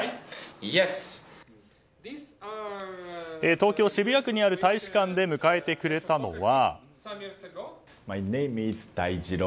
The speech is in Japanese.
東京・渋谷区にある大使館で迎えてくれたのは。